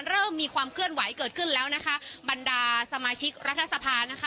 เริ่มมีความเคลื่อนไหวเกิดขึ้นแล้วนะคะบรรดาสมาชิกรัฐสภานะคะ